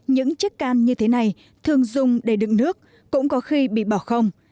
những chiếc can như thế này thường dùng để đựng nước cũng có khi bị bỏ không